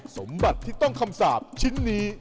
สมบัติที่ต้องคำสาปชิ้นนี้